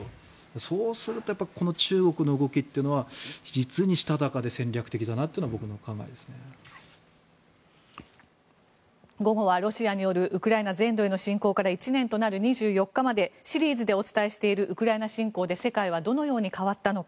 そうするとこの中国の動きというのは実にしたたかで戦略的だなというのが午後はロシアによるウクライナ全土への侵攻から１年となる２４日までシリーズでお伝えしているウクライナ侵攻で世界はどう変わったのか。